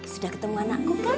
sudah ketemu anakku kan